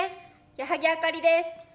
矢作あかりです。